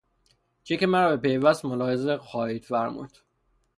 چک مرا به پیوست ملاحظه خواهید فرمود.